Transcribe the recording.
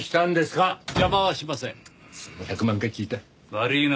悪いな。